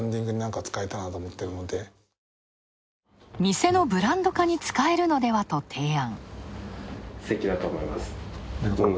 店のブランド化に使えるのではと提案。